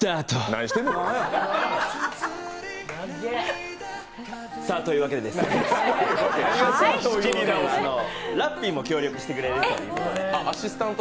何してんねん。というわけでですね、ラッピーも協力してくれるということで。